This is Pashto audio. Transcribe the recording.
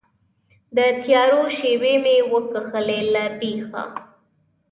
د تیارو شیبې مې وکښلې له بیخه